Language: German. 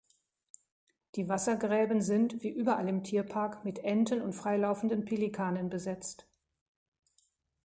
Die Wassergräben sind, wie überall im Tierpark, mit Enten und freilaufenden Pelikanen besetzt.